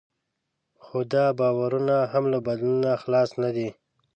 خو دا باورونه هم له بدلون نه خلاص نه دي.